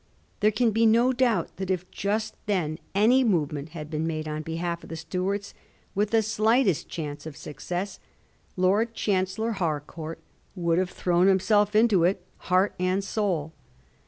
There can be no doubt that if just then any movement had been made on behalf of the Stuarts with the slightest chance of success, Lord Chancellor Harcourt would have thrown himself into it heart and soul.